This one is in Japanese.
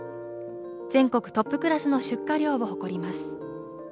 全国トップクラスの出荷量を誇ります。